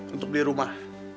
untuk beli rumah